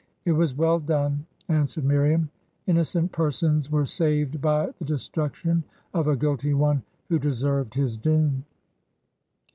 'It was well done,' an swered Miriam ;' innocent persons were saved by the de struction of a guilty one, who deserved his doom.'